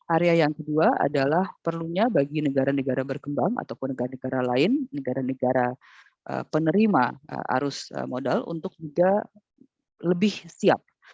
area yang kedua adalah perlunya bagi negara negara berkembang ataupun negara negara lain negara negara penerima arus modal untuk juga lebih siap